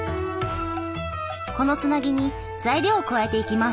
このつなぎに材料を加えていきます。